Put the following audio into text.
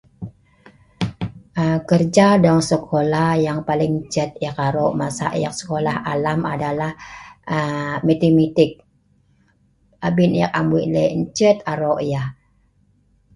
um kerja dong skolah nok paling ncet eek arok lem masa eek skola alam adalah um matematik. abin eek am wei lek, ncet arok yah